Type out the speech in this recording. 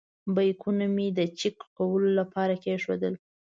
بیکونه مې د چېک کولو لپاره کېښودل.